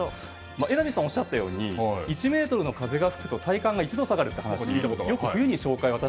榎並さんがおっしゃったように１メートルの風が吹くと体感が１度下がる話を聞いたことがありますよね。